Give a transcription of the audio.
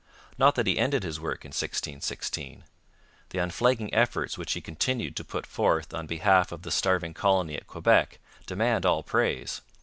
Not that he had ended his work in 1616. The unflagging efforts which he continued to put forth on behalf of the starving colony at Quebec demand all praise.